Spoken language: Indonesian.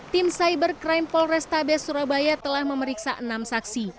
tim cybercrime polrestabes surabaya telah memeriksa enam saksi